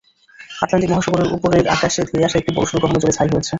Atlantic মহাসাগরের ওপরের আকাশে ধেয়ে আসা একটি বড়সড় গ্রহাণু জ্বলে ছাই হয়েছে।